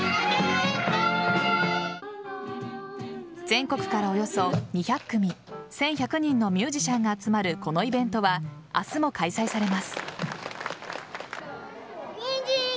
全国からおよそ２００組１１００人のミュージシャンが集まる、このイベントは明日も開催されます。